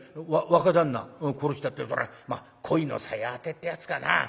若旦那を殺したっていうからまあ恋のさや当てってやつかなあ。